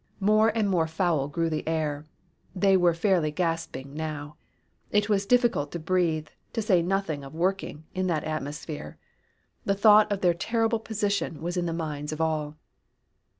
More and more foul grew the air. They were fairly gasping now. It was difficult to breathe, to say nothing of working, in that atmosphere. The thought of their terrible position was in the minds of all.